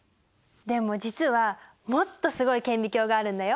でも実はもっとすごい顕微鏡があるんだよ！